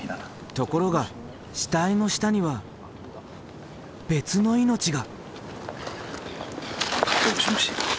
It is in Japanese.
ところが死体の下には別の命が。